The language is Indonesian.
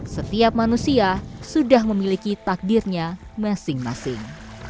setiap manusia sudah memiliki takdirnya masing masing